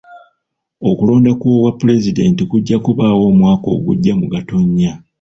Okulonda kw'obwa pulezidenti kujja kubaawo omwaka ogujja mu Gatonnya.